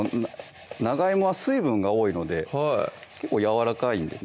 長いもは水分が多いので結構やわらかいんでね